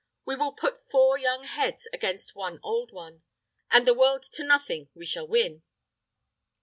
We will put four young heads against one old one, and the world to nothing we shall win!"